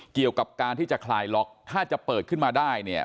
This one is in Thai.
เกี่ยวกับการที่จะคลายล็อกถ้าจะเปิดขึ้นมาได้เนี่ย